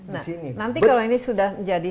di sini nanti kalau ini sudah jadi